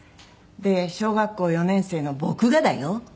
で「小学校４年生の僕がだよ？」。